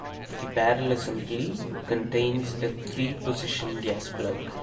The barrel assembly contains a three position gas plug.